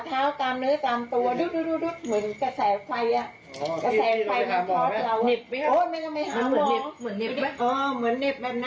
ถ้าส่งมาเราจึงจะเป็นถ้าเขาเลิกไม่ส่งเราก็ไม่เป็น